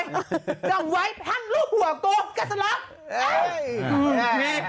ช่องไว้๑๐๐๐ลูกหัวตัวกาซญัติ์